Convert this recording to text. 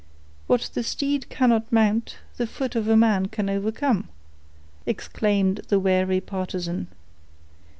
"What the steed cannot mount, the foot of man can overcome," exclaimed the wary partisan.